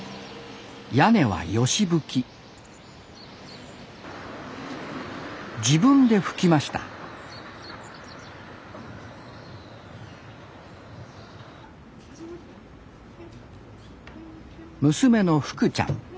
屋根はヨシ葺き自分で葺きました娘の葺ちゃん。